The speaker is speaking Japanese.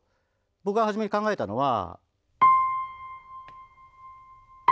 僕が初めに考えたのは。